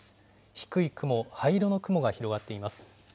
低い雲、灰色の雲が広がっています。